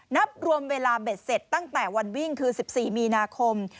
นับรวมเวลาเบ็ดเสร็จตั้งแต่วันวิ่งคือ๑๔มีนาคม